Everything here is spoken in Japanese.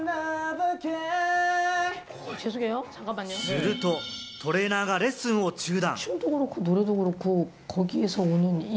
するとトレーナーがレッスンを中断。